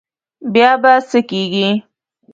بیا به څه کېږي.